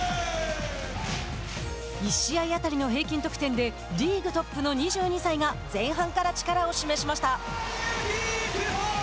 １試合当たりの平均得点でリーグトップの２２歳が前半から力を示しました。